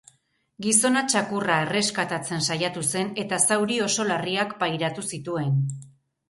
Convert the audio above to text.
Gizona txakurra erreskatatzen saiatu zen, eta zauri oso larriak pairatu zituen.